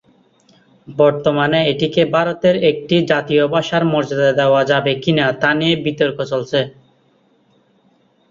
বর্তমানে এটিকে ভারতের একটি জাতীয় ভাষার মর্যাদা দেওয়া হবে কি না, তা নিয়ে বিতর্ক চলছে।